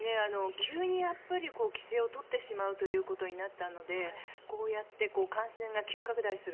急に規制を取ってしまうとうことになったのでこうやって感染が急拡大する。